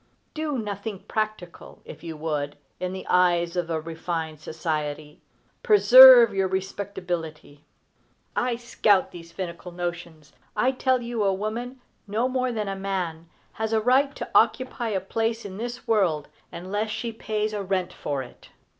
Do nothing practical, if you would, in the eyes of refined society, preserve your respectability. I scout these finical notions. I tell you a woman, no more than a man, has a right to occupy a place in this world unless she pays a rent for it.